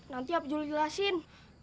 nanti abdul jelasin